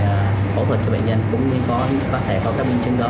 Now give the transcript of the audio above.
hỗ trợ cho bệnh nhân cũng có thể có các biến chứng đó